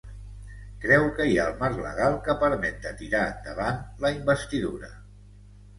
Creu que hi ha el marc legal que permet de tirar endavant la investidura.